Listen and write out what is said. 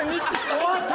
終わった？